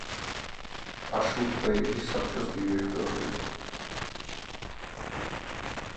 აშურბეილი საბჭოს დირექტორია.